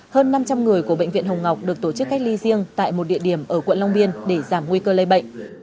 hơn năm trăm linh người của bệnh viện hồng ngọc được tổ chức cách ly riêng tại một địa điểm ở quận long biên để giảm nguy cơ lây bệnh